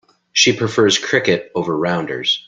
She prefers cricket over rounders.